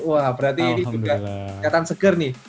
wah berarti ini juga kelihatan seger nih